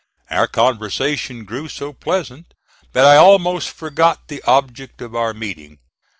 Our conversation grew so pleasant that I almost forgot the object of our meeting.